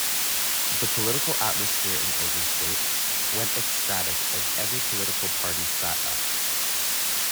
The political atmosphere in Ogun State went ecstatic as every political party sat up.